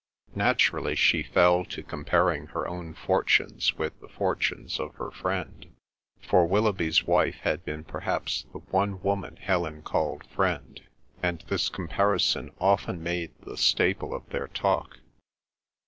Naturally she fell to comparing her own fortunes with the fortunes of her friend, for Willoughby's wife had been perhaps the one woman Helen called friend, and this comparison often made the staple of their talk.